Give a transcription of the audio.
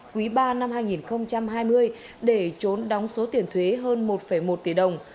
quý ba năm hai nghìn hai mươi để trốn đóng số tiền thuế hơn một một tỷ đồng